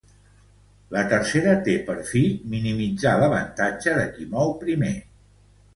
La tercera té per fi minimitzar l'avantatge de qui mou primer.